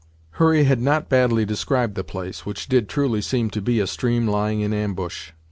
Hurry had not badly described the place, which did truly seem to be a stream lying in ambush.